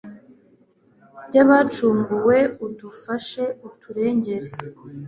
by'abacunguwe, udufashe uturengere